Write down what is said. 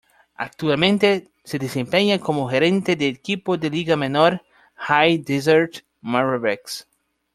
Actualmente se desempeña como gerente del equipo de liga menor "High Desert Mavericks".